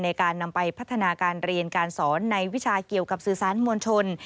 ในการนำไปพัฒนาการเรียนการสอนในวิชาเกี่ยวกับสื่อสารมวลชน